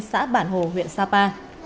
xã bản hồ huyện sapa